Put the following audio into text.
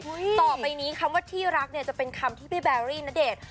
ต่อไปนี้คำว่าที่รักเนี่ยจะเป็นคำที่พี่แบรี่ณเดชน์